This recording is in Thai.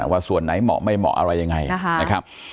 ว่าส่วนไหนเหมาะไม่เหมาะอะไรยังไงนะครับ